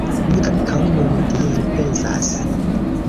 Mi ankaŭ nun tiel pensas.